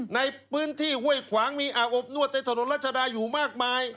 ในพื้นที่ห้วยขวางมีอาบอบนวดในถนนรัชดาอยู่มากมาย